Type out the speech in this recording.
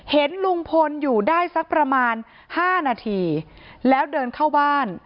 เห็นลุงพลอยู่ได้สักประมาณ๕นาทีแล้วเดินเข้าบ้าน